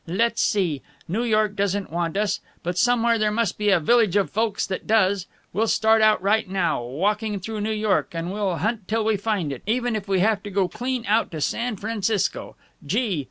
"Let's see. New York doesn't want us. But somewhere there must be a village of folks that does. We'll start out right now, walking through New York, and we'll hunt till we find it, even if we have to go clean out to San Francisco. Gee!